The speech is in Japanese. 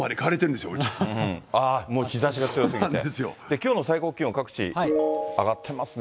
きょうの最高気温、各地、上がってますね。